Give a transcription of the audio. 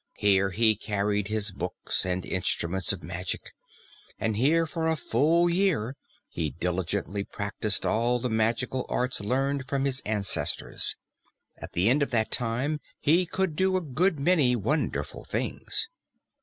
Here he carried his books and instruments of magic, and here for a full year he diligently practiced all the magical arts learned from his ancestors. At the end of that time, he could do a good many wonderful things.